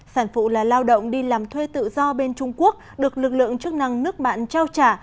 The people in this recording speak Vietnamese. sản phụ là lao động đi làm thuê tự do bên trung quốc được lực lượng chức năng nước bạn trao trả